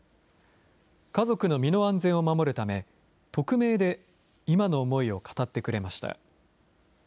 家族の身の安全を守るため匿名で今の思いを語ってくれました。